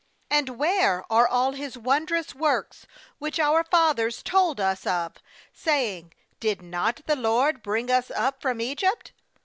and where are all His wondrous , works which our fathers told us of, saying: Did not the LORD bring us up from Egypt?